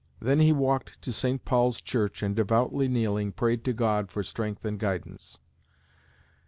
Then he walked to St. Paul's church and devoutly kneeling, prayed to God for strength and guidance.